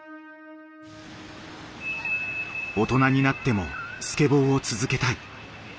大人になってもスケボーを続けたい。